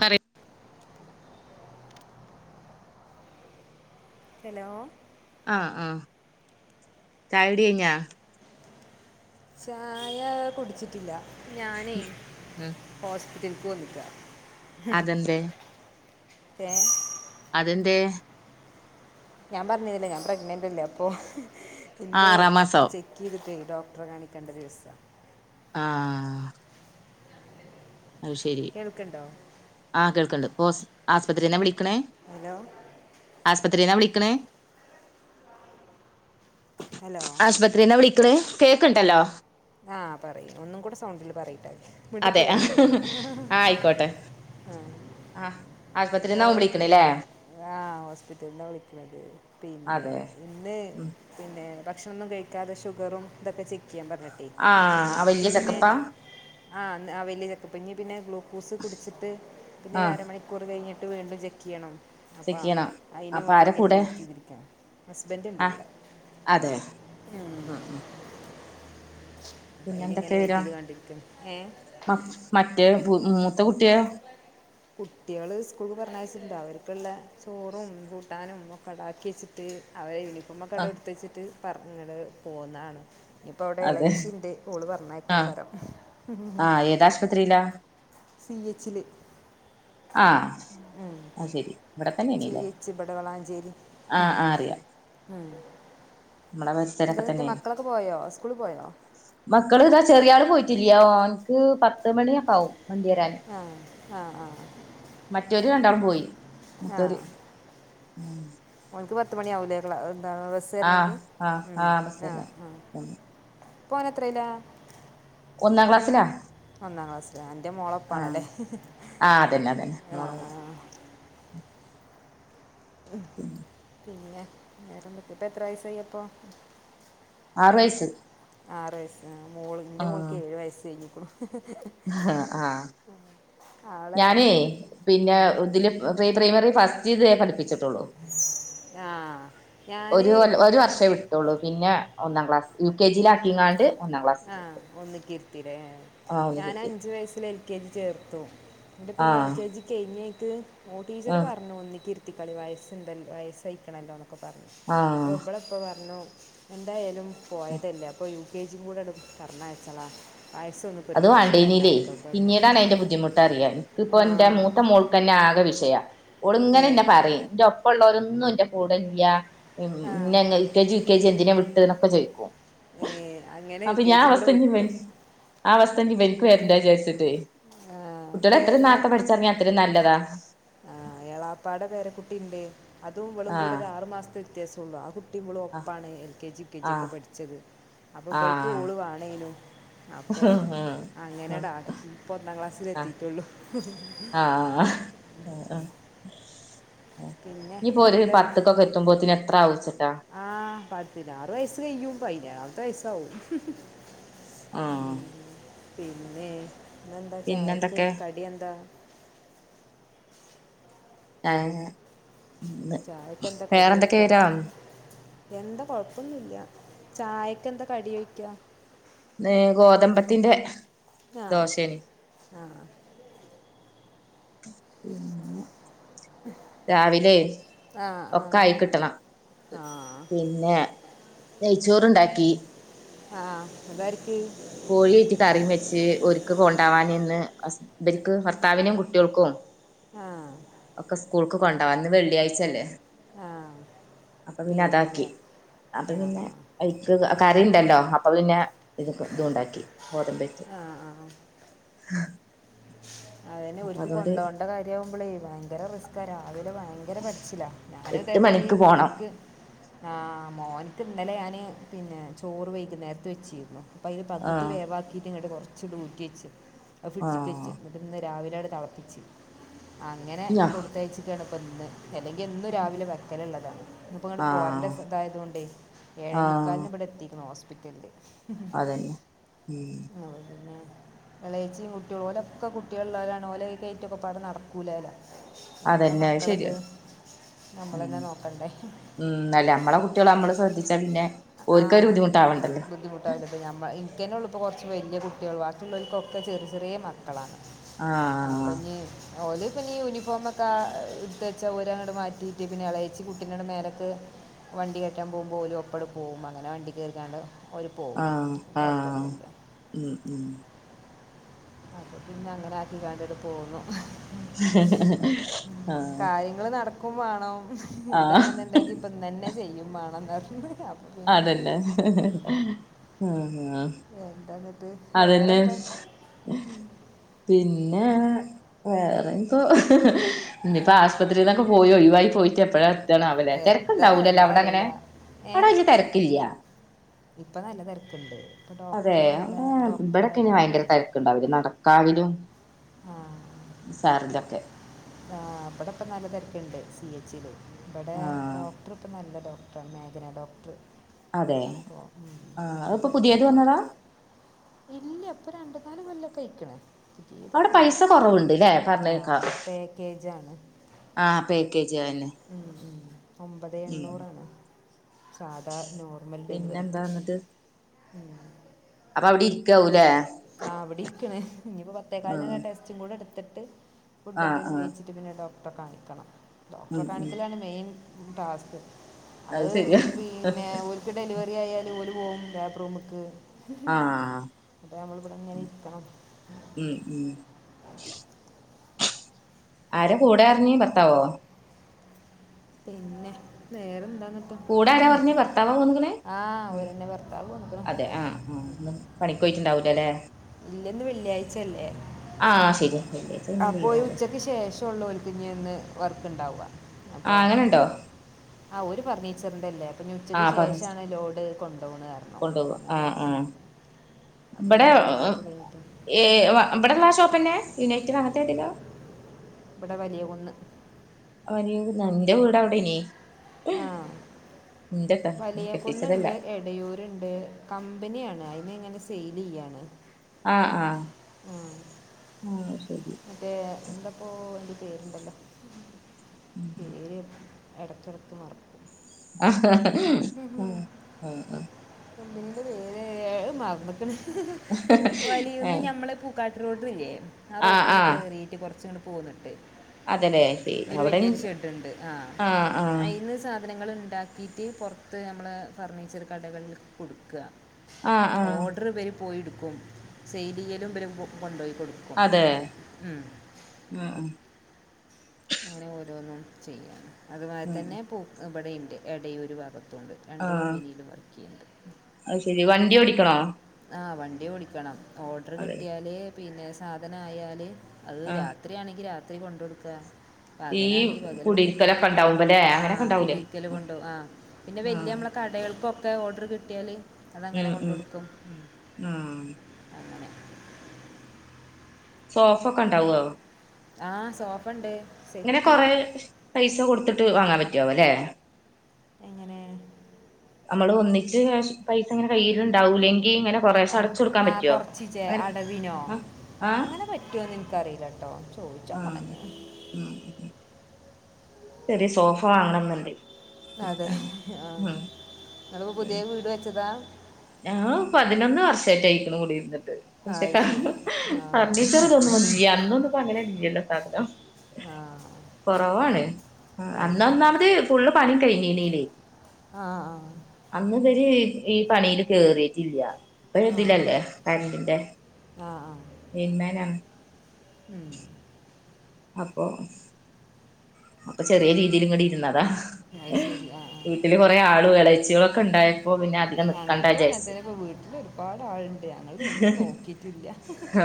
പറയ് ഹലോ ആഹ് ആഹ് ചായ കുടി കഴിഞ്ഞാ ചായ കുടിച്ചിട്ടില്ല ഞാനേ ഉം ഹോസ്പിറ്റലക്ക് വന്നിക്ക അതെന്തേ ഏഹ് അതെന്തേ ഞാൻ പറഞ്ഞിന്നിലെ ഞാൻ പ്രെഗ്നന്റ് അല്ലെ അപ്പോൾ ആഹ് ഇന്ന് ആറാം മാസം ചെക്ക് ഇരുതേ ഡോക്ടറെ കാണിക്കണ്ട ദിവസം ആഹ് അത് ശെരി കേൾക്കണ്ടോ ആ കേൾക്കണ്ട് ഹോസ്റ്റ് ആസ്പത്രിന്നാ വിളിക്കണേ ഹലോ ആസ്പത്രിന്നാ വിളിക്കണേ ഹലോ ആഷ്പത്രിന്നാ വിളിക്കണേ കേക്കിണ്ടല്ലോ ആഹ് പറയ്യ് ഒന്നും കൂടെ സൗണ്ടിൽ പറയിട്ടാ അതെ ആഹ് ആഹ് ആയിക്കോട്ടെ ആഹ് ആഹ് ആസ്പത്രിയിൽന്നാവും വിളിക്കണല്ലേ ആഹ് ഹോസ്പിറ്റലിന്നാ വിളിക്കണത് പിന്നെ അതെ ഇന്ന് ഉം പിന്നെ ഭക്ഷണൊന്നും കഴിക്കാതെ ഷുഗറും ഇതൊക്കെ ചെക്ക് ചെയ്യാൻ പറഞ്ഞു ണ്ട് ആഹ് ആ വല്യ പിന്നെ ചെക്കപ്പാ ആഹ് ആ വല്യയ ചെക്കപ്പ് ഇനി പിന്നെ ഗ്ലൂക്കോസ് കുടിച്ചിട്ട് പിന്നെ ഒരു ആഹ് അര മണി കൂറ്‌ കഴിഞ്ഞിട്ട് വീണ്ടും ചെക്ക് ചെയ്യണം അപ്പാ ചെക്കെയ്യണം അയിന് അപ്പൊ വേണ്ടി ആര ഇങ്ങനെ കൂടെ വെയിറ്റ് ചെയ്തിരിക്ക ഹസ്ബന്റ് ഇണ്ട് ആഹ് കൂടെ അതെ ആ അപ്പ അയിനി പിന്നെന്തൊക്കെ ഇങ്ങനെ വെയിറ്റ് വിവരം ചെയ്ത് കണ്ടിരിക്കാണ് ഏ മ മറ്റേ മൂത്ത കുട്ടിയോ കുട്ടികള് സ്കൂൾ പറഞ്ഞ വെച്ചിട്ടുണ്ട് അവർക്കുള്ള ചോറും കൂട്ടാനും ഒക്കെ ഇണ്ടാക്കി വെച്ചിട്ട് അവരെ യൂണിഫോംമൊക്കെ ആഹ് അവിടെ എടുത്ത് വെച്ചിട്ട് പറ ങ്ങട് പോന്നതാണ് ഇനിയിപ്പോ അവിടെ അതെ ഇളച്ചിന്റെ ഓള് ആഹ് പറഞ്ഞയിക്കൊക്കാരം ആഹ് ഏതാശുപത്രിയിലാ സിയെച്ചില് ആ അയ് ശരി ഇവിടെ തന്നെയാണല്ലേ ചേച്ചി ഇവിടവളാഞ്ചേരി ഉം ആഹ് ആഹ് അറിയാം ഉം നമ്മടെ പരിസരൊക്കെ എന്താന്നിട്ട് തന്നെയാണ് മക്കളൊക്കെ പോയോ സ്കൂളിൽ പോയോ മക്കള് ഇതാ ചെറിയ ആള് പോയിട്ടില്ലാ ഓൾക്ക് പത്ത് മണിയൊക്ക ആവും വണ്ടിവരാൻ ആ ആ ആ മറ്റൊര് രണ്ടാളും പോയി മൂത്തോര് ഉം ഓൻക്ക് പത്ത് മണിആവുംല്ലേ ക്ലാ എന്താ ബസ് ആഹ് വരണങ്കിൽ ആഹ് ആഹ് ആ ബസ്സല്ല ആ ഇപ്പൊ ഓന് എത്രയിലാ ഒന്നാം ക്ലാസ്സിലാ ഒന്നാം ക്ലാസ്സിലാ എന്റെ മോളെ ആഹ് ഒപ്പാണല്ലേ ആഹ് അതന്നെ അതന്നെ ആ മോളും കൂടെ പിന്നെ വേറെന്തക്കെ എത്ര വയസായിപ്പൊ ആറ് വയസ്സ് ആറു വയസ് ആ മോൾ എന്റെ മോൾക്ക് ഏഴു വയസ്സ് കഴിഞ്ഞിക്കു ണു ഹ് ആ ആളെ ഞാനേ പിന്നെ ഇതില് പ്രീ പ്രീപ്രമറി ഫസ്റ്റ് ഇതേ പഠിപ്പിച്ചിട്ടുള്ളൂ ആ ഞാൻ ഒരു ഒരു വർഷ കത്തുള്ളൂ പിന്നെ ഒന്നാം ക്ലാസ് യു കെ ജില് ആക്കിങ്ങാണ്ട് ഒന്നാം ക്ലാസ്സിൽ ആ ചേർത്ത് ഒന്നിക്കിരുത്തില്ലേ ആഹ് ഒന്ന് ഞാൻ കിട്ടി അഞ്ചു വയസിൽ എൽ കെ ജി ല് ചേർത്തു എന്നിട്ട് പിന്നെ എൽ ആഹ് കെ ജി കഴിഞ്ഞേക്ക് ഓ ടീച്ചർ ആഹ് പറഞ്ഞു ഒന്നിക്കിരി ത്തികളീം വയസ്സ്ണ്ടല്ലോ വയസഴിക്കണല്ലോ എന്നൊക്കെ പറഞ്ഞു ആഹ് അപ്പൊ ഇബളപ്പ പറഞ്ഞു എന്തായാലും പോയതല്ലേ അപ്പോൾ യു കെ ജി കൂടെ പറഞ്ഞയച്ചള വയസ്സൊന്നും ഇപ്പോൾ ഒരു അത് പ്രശ്നമല്ല വാണ്ടീനില് എന്നൊക്കെ പറഞ്ഞു പിന്നീടാണ് അതിന്റെ ബുദ്ധിമുട്ട് അറിയാൻ ഇതിപ്പോ ആ എന്റെ മൂത്ത മോൾക്കന്നെ ആകെ വിഷയാ ഓള് ഇങ്ങനെ ഏ ഇന്നെ പറയും ഇന്റെ ഒപ്പം ഉള്ളവരൊന്നും എന്റെ കൂടെ ഇല്ല ആ, ഇന്നെ L K G, U K G എന്തിനെ വിട്ട് എന്നൊക്കെ ചോദിക്കും ഏ അങ്ങനെ അപ്പൊ ഞാൻ യുക്കേജിം അവസ്ഥ കൂടെ ഇനി വിട്ടു ഇവൻ ആ അവസ്ഥ ഇനി ഇവർക്ക് വരണ്ടാന്ന് വിചാരിച്ചിട്ട് ആ, കുട്ടികൾ അപ്പൊ എത്രം ഞാൻ നേരത്തെ പഠിച്ചിറങ്ങാ അത്രയും നല്ലതാ ആ ഏളാപ്പാടെ പേര കുട്ടിണ്ട് അതും ഇവളും കൂടെ ആഹ് ആറു മാസത്തെ വ്യത്യാസം ഉള്ളു ആ കുട്ടി ആ കുട്ടിഇവളും ആഹ് ഒപ്പാണ് L K G U K G ഒക്കെ ആഹ് പഠിച്ചത് അപ്പൊ ഇവൾക്ക് ആഹ് ഓള് വാണേനു അപ്പോ ആ അങ്ങനെട് ആക്കി ഇപ്പൊ ഒന്നാം ക്ലാസ്സില് എത്തിട്ടുള്ളൂ ആഹ് ആ ആ പിന്നെ ഇനിപ്പൊ ഒരു വേറെന്താ പത്തക്കൊക്കെ എത്തുമ്പോത്തിന് എത്ര ആവിച്ച്ട്ടാ ആ പതിനാറു വയസ്സ് കയ്യും പതിനേഴാംമത്തെ വയസ്സാവും ആഹ് പിന്നെ ഇന്ന് എന്താ ചായക്ക് പിന്നെന്തൊക്കെ കടി എന്താ ആ ഇന്ന് ചായക്ക് എന്താ കടി വേറെന്തൊക്കെ കഴിക്കാം വിവരം എന്താ കൊഴപ്പൊന്നുല്ല ചായക്കെന്താ കടിയോയ്ക്കാ ഇന്ന് ഗോതമ്പത്തിന്റെ ദോശേനി ആഹ് പിന്നെ രാവിലെ ആ ആ ഒക്കെ ആയി കിട്ടണം പി ആ പിന്നെ നെയ്ച്ചോറ് ഇണ്ടാക്കി അ ആ അതാര്ക്ക് കോഴിറ്റി കറി വെച്ച് ഓര്ക്ക് കൊണ്ടവാൻ എന്ന് ഇവർക്ക് ഭർത്താവിനും കുട്ടിൾക്കും ആ ഒക്കെ സ്കൂൾക്ക് കൊണ്ടവാ ഇന്ന് വെള്ളിയാഴ്ചല്ലേ ആ അപ്പൊ പിന്നെ അതാക്കി അപ്പൊ ആ പിന്നെ അയിക്ക് കറി ഉണ്ടല്ലോ അപ്പൊ പിന്നെ ഇത് ഇതും ഉണ്ടാക്കി ഗോതമ്പറ്റ് ആ അതന്നെ ഒരിക്ക് കൊണ്ടോണ്ട കാര്യ ആവുമ്പോളേ ഭയങ്കര റിസ്ക്കാ രാവിലെ ഭയ ങ്കര പെട്ച്ചില ഞാനും എട്ട് ഇതേമാതിരി മണിക്ക് പോണം മോൻക്ക് ആഹ മോൻക്ക് ഇന്നലെ ഞാന് പിന്നെ ചോറ് വൈകുനേരത്ത് വെച്ചിരുന്നു അപ്പോ അതിന് പകുതി ആഹ് വേവാക്കിയിട്ട് ഇങ്ങട്ട് കുറച്ച് ഊറ്റി വെച്ച് ആ ഫ്രഡ്ജ് ആഹ് എന്നിട്ട്ന്ന് രാവിലെ തിളപ്പിച്ച് അങ്ങനെ ഞാ കൊടുത്തയച്ച് ഇപ്പ ഇന്ന് അല്ലെങ്കിൽ എന്നും രാവിലെ വെക്കല്ള്ളതാ ഇന്ന് ഇപ്പോ ഇങ്ങട്ട് പോരന്റെ ആഹ് ഇതായതൊണ്ട് ഏഴേ ആഹ് മുക്കാലിന് ഇബടെ എത്തിക്ക്ണ് ഹോസ്പിറ്റൽല് അതന്നെ ഉം എളയെച്ചി മൂ ഓലക്ക കുട്ടിയള് ഇള്ളോലാണ് ഓലക്കയ്‌റ്റ് ഒക്കെ പാട നടക്കൂല നമ്മളെ അതന്നെ അത് മക്കൾത് ശരിയാ ഉം നമ്മളന്നെ നോക്കണ്ടേ ഉം അല്ലേ നമ്മളെ കുട്ടികൾ നമ്മള് ശ്രദ്ധിച്ചാ പിന്നെ ഓൽക്ക് ഒരു ബുദ്ധിമുട്ടാവണ്ടല്ലോ ഇൻക്കന്നെ ഉള്ളു ഇപ്പോ കുറച്ച് വലിയ കുട്ടികള ബാക്കിയുള്ളവർക്കൊക്കെ ചെറിയ ചെറിയ മക്കളാണ് ആഹ് അപ്പോ ഞ്ഞി ഓല് പിന്നെ ഈ യൂനിഫോമൊക്കെ ഇട്ത്ത് വെച്ച ഓരങ്ങട്ട് മാറ്റിയിട്ട് പിന്നെ എളയച്ചി കുട്ടീനെ മേലക് വണ്ടി കയറ്റാൻ പോകുമ്പോ ഓലും ഒപ്പണ്ട് പോകും അങ്ങനെ വണ്ടി കേറിക്കാണ്ട് ഓല് പോവും ആഹ് ആഹ് കൊഴപ്പൊന്നുല്ല ഉം ഉം അപ്പോ പിന്നെ അങ്ങനെ ആക്കി കാണ്ട് ങ്ങട്ട് പോന്നു കാര്യങ്ങൾ നടക്കും വാണം ആഹ് ഇതാണ് ന്നുണ്ടങ്കിൽ അപ്പം ഇന്നന്നെ ചെയ്യും വാണന്ന് പർഞ് അതന്നെ ഉം എന്താന്ന അതന്നെ പിന്നെ വേറെന്തോ ഇഞ്പ്പോ ആസ്പത്രിന്നൊക്കെ പോയി ഒയിവായി പോയിട്ട് എപ്പഴാ ആവലെ എത്താ തെര്ക്കുണ്ടാവൂലല്ലോ എന്നാ അവ്ടെ അങ്ങനെ അറിയില്ല അവ്ടെ വല്യ തെരക്കില്ല ഇപ്പൊ നല്ല തെര്ക്ക്ണ്ട് ഇപ്പൊ ഡോക്ടർ നല്ല ഡോക്ടറായ ഇവടെക്കയിന് ഭയങ്കര കാരണേ തെര് ണ്ടാവില്ല നടക്കാവിലും ആ സാർലൊക്കെ ആ ഇവടെ ഇപ്പം നല്ലതെരക്ക്ണ്ട് സി എച്ച് ല് ഇവടെ ആഹ് ഡോക്ടർ ഇപ്പം നല്ല ഡോ മേഘന ഡോക്ടർ അതെ അപ്പോൾ ആ നല്ല [unintelligible] പ്പം തിരക്കാണ് പുതിയേത് അപ്പോൾ വന്നതാ ആൾ ഇല്ല ഇപ്പൊ രണ്ടു നാല് കൊല്ലെക്കെ ആയിക്ക്ണ് അവ്ടെ പൈസ കൊറവ്ണ്ട് ലെ പർഞ്ഞെക്കാ [inaudible] ആ പോകേജ് അതന്നെ ഉം ഒമ്പതെ എണ്ണൂറാണ് സാധാ നോർ മൽ പിന്നെന്താ ഡെലിവറിക്ക് എന്നിട്ട് ഉം അപ്പൊ അവിടെ ഇരിക്കാവൂലേ ആ ഇവിടെ ഇരിക്ക്ണ് ഇഞ്ഞിപ്പോ ആഹ് പത്തേക്കാൽന്ള്ള ടെസ്റ്റ് ച്ചും കൂടെ എട്ത്ത്ട്ട് ഫുഡ് ആഹ് എന്തെലും ആഹ് കഴിച്ചിട്ട് പിന്നെ ഡോക്ടറെ കാണിക്കണം ഡോക്ടറെ ഉം ഉം കാണിക്കലാണ് മെയിൻ ടാസ്ക് അത് പിന്നെ ഒ ഡെലിവറി ആയാല് ഓല് പോവും ലേബർ റൂമ്ക്ക് ആഹ് ഇരിക്കണം ഉം ഉം ആരെ പോന്ന പറഞ്ഞി ഭർത്താവോ പിന്നെ വേറെന്താന്നിട്ട? കൂടെ ആരാ പറഞ്ഞെ ഭർത്താവാ ഒന്നിക്കണെ അവരെന്നെ ഭർത്താവ് വന്നിക്കണം അതെ ആഹ് ആ ഒന്ന് പണിക്കോയിട്ടുണ്ടാവൂലോ ല്ലെ? ഇല്ലന്ന് വെള്ളിയാഴ്ചയല്ലേ? ആഹ് ശരിയാ വെള്ളിയാഴ്ച്ച ഇന് ലിവാണ് വിശേഷം ള്ളോർക്ക് ഇഞ്ഞിന്ന് വർക്ക് ഉണ്ടാവുഅ ആഹ് അങ്ങനെ ഇണ്ടോ ആഹ ഓര് ഫർണീ ച്ചറിന്റെല്ലേ അപ്പൊനി ഉച്ചക്ക് ശേഷണ് ലോഡ് കൊണ്ടോവേണ് കൊണ്ടോവ്വ ആഹ് ആഹ് അപ്പം ഇബടെ ഇനി ജുമാക്ക് കഴിഞ്ഞിട്ട് ഇവിടെള്ള ആ ഷോപ്പ്ന്നെ യുണൈറ്റഡ് അങ്ങനത്തെ ഏതങ്കിലും ആഹ [unintelligible] ഇവടെ വലിയകുന്ന് [unintelligible] ന്റെ വീട് അവിടെനീ ആ വലിയ കെട്ടിച്ചതല്ല കുന്നുണ്ട് എടയൂ ണ്ട് കമ്പനിയണ് അതിനിങ്ങനെ സെയിലിയ്യാണ് ആഹ് ആഹ് ആ ഹ് ശരി മറ്റേ എന്തപ്പോ [unintelligible] പേരുണ്ടല്ലോ പേര് എടക്കെടക്ക് മറക്കു ആ ആ [unintelligible] വേര് മർന്നക്ക്ണ് വലിയുന്ന് ഏഹ് ഞമ്മളെ പൂ കട്ട റോട്ടിലില്ലേ ആ ആഹ് റോട്ടിന്ന് ആഹ് കേറിട്ട് കുറച്ചുങ്ങട് പോന്ന്ണ്ട് അതെല്ലേ ശരി ഒരു അവിടെ വലിയ ഒരു ഷെഡുണ്ട് ആഹ് അതിന്ന് സാധനങ്ങളിണ്ടാക്കി ന്നിട്ട് പുറത്ത് നമ്മള് ഫർണിച്ചർ കടകളിക്ക് കൊടുക്ക്അ ആഹ് ആഹ് ഓഡർ ഇവരി പോയിെടുക്കും സൈലിയലും ഇവരി കൊണ്ടോയി കൊടുക്കും അങ്ങനെ ഉം വാ ആഹ് അങ്ങനെ ഓരോന്നും ചെയ്യാ ഉം അതുപോലെത്തെന്നെ പൂ ഇവിടെ ഇണ്ട് എടയൂര് ഭാഗത്തുണ്ട് രണ്ട് കമ്പനീലും വർക്കിയിന്ന്ണ്ട് അയ് ശെരി വണ്ടി ഓടിക്കണോ? ആ വണ്ടി ഓടിക്കണം ഓഡ്രർ അതെ കിട്ടിയാല് പിന്നെ സാധന ആയാല് അത് രാ ആഹ് ത്രിയാണെങ്കി രാത്രി കൊണ്ടോടക്ക ഈ പകലാണെങ്കി പകല് കൊണ്ടോട്ക്ക കുടിരിക്കലൊക്കെ ഉണ്ടാവുമ്പല്ലേ അങ്ങനെയൊക്കെ ആഹ് ഉണ്ടാവൂലേ കുടിരിക്കൽ കൊണ്ടോ ആ പിന്നെ വല്യ ആഹ് മ്മള കടയാൾക്കൊക്കെ ഓഡർ കിട്ടിയാല് മ്മ് മ്മ് മ്മ് അങ്ങനെ സോഫക്കെ ഇണ്ടാവ്വോ ആഹ് സോഫണ്ട് ഇങ്ങനെ കൊറേ പൈസ കൊടുത്തിട്ട് വാങ്ങാൻ പറ്റാവോ ല്ലേ എങ്ങനേ അമ്മള് ഒന്നിച്ച് കേഷ് പൈസ ഇങ്ങനെ കയ്യിൽണ്ടാവൂല്ലെങ്കി ങ്ങന ആഹ് ആഹ് കൊറചിച്ചേ അടവിനോ ആഹ് ആഹ് അങ്ങനെ പറ്റോന്ന് ഇൻക്കറില്ല ട്ടോ ആ മ്മ് ചെറിയ സോഫ വാങ്ങണം ന്ന്ണ്ട് അതെ ആഹ് ഇങ്ങളപ്പോ പുതിയ വീട് വെച്ചതാ ഞാൻ പതിനൊന്ന് വർഷറ്റായിക്കുണു കൂടിരുന്നിട്ട് ആ അത് ശരി ആ ഫർനീച്ചർതൊന്നു ല്ല അന്നൊന്നും പ അങ്ങനെല്ലില്ലല്ലോ [unintelligible] ആ കൊറവാണ് ഏ അന്നൊന്നാമത് ഫുള്ള് പണിം കഴിഞ്ഞില്ലെനി ആഹ് ആഹ് ആഹ് ആഹ് അന്നിവര് ഈ പണീല് കേറീട്ടില്ല ഇപ്പ ഇതിലല്ലേ കരണ്ടിന്റെ ആഹ് ആഹ് ലൈൻമേന ഉം അപ്പോ അപ്പൊ ചെറിയ രീതില് ഇങ്ങട് ഇരുന്നതാ. അയ് ശെരി ആഹ് ആഹ്. അതിൽ കുറെ ആളും എളച്ചികളൊക്കെ ഇണ്ടായപ്പോ പിന്നെ അധികം നിക്കണ്ട ഞങ്ങക്കും വിചാരിച്ച് അങ്ങനെത്തന്നെ ഇപ്പം വീട്ടിൽ ഒരുപാട് ആള്ണ്ട് ഞങ്ങള് ഒന്നും നോക്കിട്ടില്ല. ആ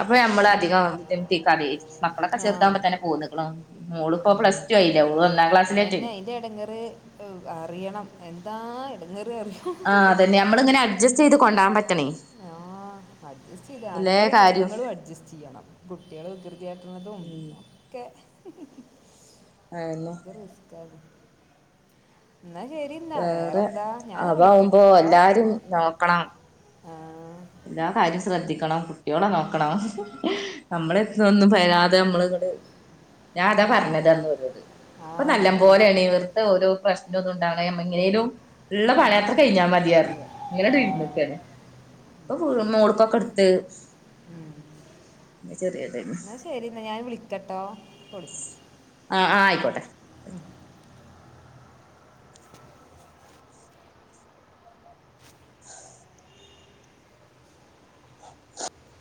അപ്പൊ നമ്മള് അധികം ബുദ്ധിമുട്ടിക്കാതെ മക്കളൊക്കെ ആ ചെറുതാകുമ്പോ തന്നെ പോന്നേക്ണു. മോള് പ്പോ പ്ലസ് ടു ആയില്ലേ. ഓള് ഒന്നാം ക്ലാസ്സിലെ ഇതിന്റെ ഇടങ്ങറ് അറിയണം എന്താ ഇടങ്ങേറ് അറിയൊ? ആ അതന്നെ നമ്മള് ഇങ്ങനെ അഡ്ജസ്റ്റ് ചെയ്ത് കൊണ്ടാൻ പറ്റണേ. ആ അഡ്ജസ്റ്റ് ചെയ്ത് എല്ലാ ആണുങ്ങളും കാര്യവും പെണ്ണുങ്ങളും അഡ്ജസ്റ്റ് ചെയ്യണം കുട്ടികൾ വികൃതി കാട്ടണതും ഉം ഒക്കെ ആ [unintelligible] ഇത് റിസ്കാ. ന്നാ ശെരി. അല്ല വേറെ വേറെന്താ ഞാന് അതാവുമ്പോ വിളിക്കണ്ട്ട്ടോ? എല്ലാരും നോക്കണം ആ എല്ലാ കാര്യവും ശ്രദ്ധിക്കണം കുട്ടിയോളെ ഉം. നോക്കണം നമ്മള് എടുത്ത് ഒന്നും പറയാതെ നമ്മള് ഇങ്ങട്, ഞാൻ ആ. അതാ പറഞ്ഞതന്ന് ഒരോട് ആ ഇപ്പൊ നല്ല അതന്നെ പോലെയാണ് വെർത ഓരോ പ്രശ്നം ഒന്നുണ്ടാവണ നമ്മ എങ്ങനെലും ഉള്ള ഉം. പണിയത്ര കഴിഞ്ഞാൽ മതിയായിരുന്നു. ഇങ്ങനെ ആ. വീട്ട് നിക്കാണ് ഇപ്പൊ ഫുള്ളും മോളക്കൊക്കെ എടുത്ത് ചെറിയതാനു ശരിന്നാ ഞാൻ വിളിക്കട്ടോ ഇപ്പോ വിളിക്കാം. ആ ആ ആയിക്കോട്ടെ. മം [unintelligible]